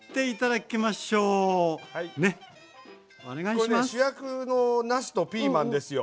これね主役のなすとピーマンですよ。